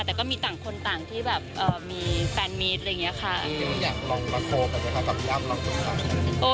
แต่ก็มีต่างคนต่างที่แบบมีแฟนมีสอะไรอย่างนี้ค่ะ